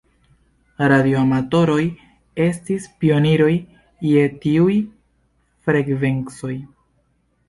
Radioamatoroj estis pioniroj je tiuj frekvencoj.